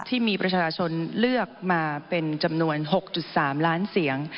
ที่มีประชาชนเลือกมาเป็นจำนวน๖๓ล้านเสียง